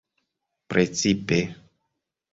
precipe